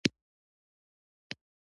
• واده د ژوند نوی فصل دی.